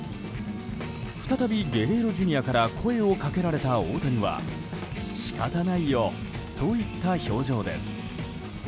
再びゲレーロＪｒ．から声をかけられた大谷は仕方ないよといった表情です。